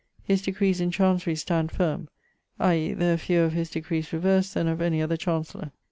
His decrees in Chancery stand firme, i.e. there are fewer of his decrees reverst then of any other Chancellor.